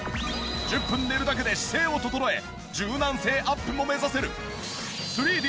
１０分寝るだけで姿勢を整え柔軟性アップも目指せる。